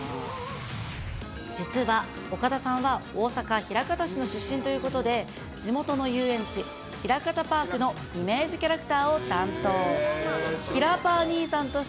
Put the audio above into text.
実は、岡田さんは大阪・枚方市の出身ということで、地元の遊園地、ひらかたパークのイメージキャラクターを担当。